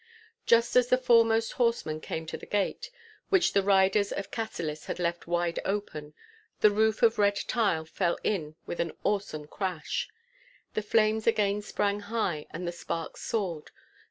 Just as the foremost horseman came to the gate, which the riders of Cassillis had left wide open, the roof of red tile fell in with an awesome crash. The flames again sprang high and the sparks soared.